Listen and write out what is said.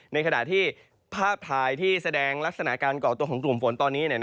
ในขณะที่ภาพถ่ายที่แสดงลักษณะการก่อตัวของกลุ่มฝนตอนนี้